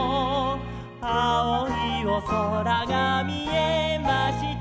「あおいおそらがみえました」